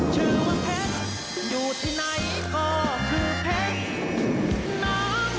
ชื่อว่าเพชรอยู่ที่ไหนก็คือเพชรน้ำ